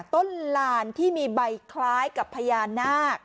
ลานที่มีใบคล้ายกับพญานาค